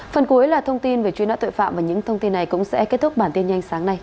phần cuối là thông tin về truy nã tội phạm và những thông tin này cũng sẽ kết thúc bản tin nhanh sáng nay